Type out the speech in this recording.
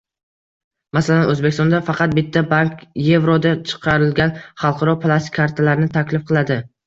Masalan, O'zbekistonda faqat bitta bank evroda chiqarilgan xalqaro plastik kartalarni taklif qiladi